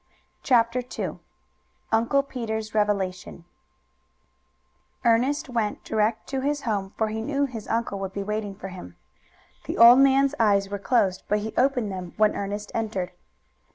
CHAPTER II UNCLE PETER'S REVELATION Ernest went direct to his home, for he knew his uncle would be waiting for him. The old man's eyes were closed, but he opened them when Ernest entered.